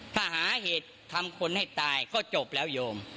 ถ้าหาเหตุทำคนให้ตายก็จบแล้วโยม